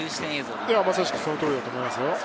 まさしく、その通りだと思いますよ。